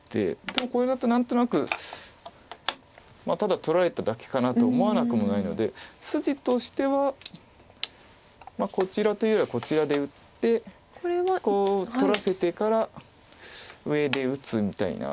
でもこれだと何となくただ取られただけかな？と思わなくもないので筋としてはこちらというよりはこちらで打ってこう取らせてから上で打つみたいな。